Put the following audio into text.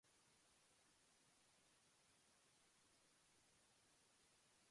As an assembler, my typical working day starts quite early in the morning.